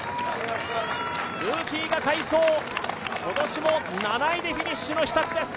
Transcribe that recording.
ルーキーが快走、今年も７位でフィニッシュの日立です。